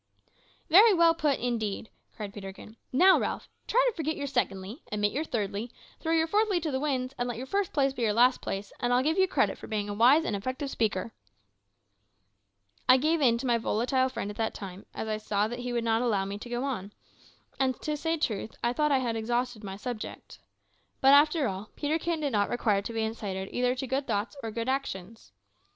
"Very well put, indeed," cried Peterkin. "Now, Ralph, try to forget your `secondly,' omit your `thirdly,' throw your `fourthly' to the winds, and let your `first place' be your `last place,' and I'll give you credit for being a wise and effective speaker." I gave in to my volatile friend at that time, as I saw that he would not allow me to go on, and, to say truth, I thought that I had exhausted my subject. But, after all, Peterkin did not require to be incited either to good thoughts or good actions.